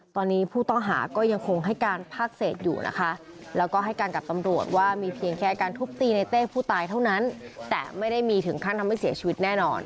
ตอนนี้ผู้ต้องหาก็ยังคงให้การภาคเศษอยู่นะคะแล้วก็ให้การกับตำรวจว่ามีเพียงแค่การทุบตีในเต้ผู้ตายเท่านั้นแต่ไม่ได้มีถึงขั้นทำให้เสียชีวิตแน่นอน